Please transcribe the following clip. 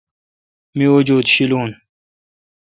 می۔ وجود شیلون۔